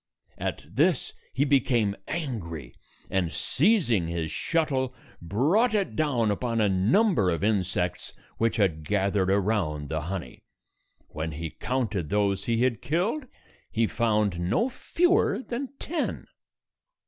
At this, he became angry, and, seizing his shuttle, brought it down upon a number of insects which had gathered around the honey. When he counted those he had killed, he found no fewer than ten.